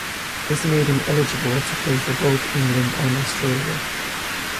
This made him eligible to play for both England and Australia.